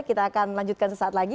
kita akan lanjutkan sesaat lagi